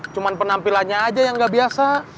cuma penampilannya aja yang nggak biasa